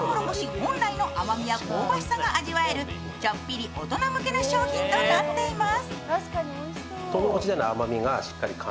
本来の甘みや香ばしさが味わえる、ちょっぴり大人向けの商品となっています。